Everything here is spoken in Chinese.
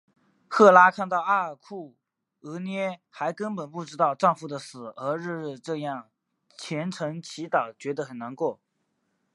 赫拉看到阿尔库俄涅还根本不知道丈夫的死而日日这样虔诚祈祷觉得很难过。